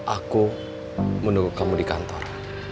aku menunggu kamu di kantor